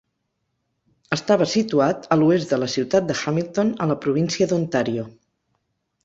Estava situat a l'oest de la ciutat de Hamilton a la província d' Ontario.